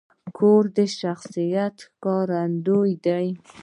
کور د شخصیت ښکارندوی دی.